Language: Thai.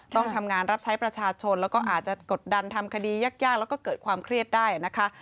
ต้องทำงานรับใช้ประชาชนแล้วก็อาจจะกดดันทำคดียากแล้วก็เกิดความเครียดได้นะคะ